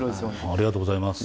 ありがとうございます。